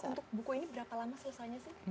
kalau untuk buku ini berapa lama selesainya sih